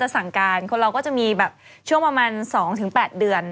ช่วงประมาณ๒๘เดือน